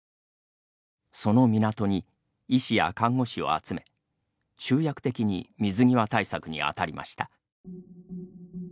その港に、医師や看護師を集め集約的に水際対策にあたりました。